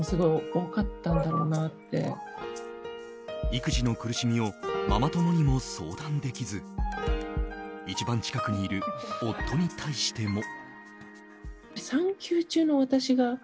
育児の苦しみをママ友にも相談できず一番近くにいる夫に対しても。